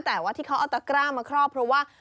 แต่ว่าที่เขาเอาตะกร้ามาครอบเพราะว่า